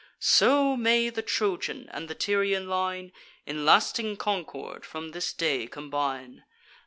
So may the Trojan and the Tyrian line In lasting concord from this day combine.